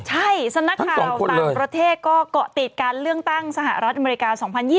ใช่สำนักข่าวต่างประเทศก็เกาะติดการเลือกตั้งสหรัฐอเมริกา๒๐๒๐